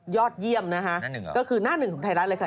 ยอดเยี่ยมนะคะก็คือหน้าหนึ่งของไทยรัฐเลยค่ะ